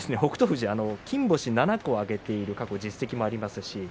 富士は、金星７個を挙げている実績があります。